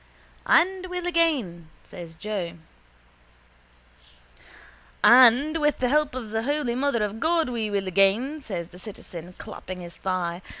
—And will again, says Joe. —And with the help of the holy mother of God we will again, says the citizen, clapping his thigh.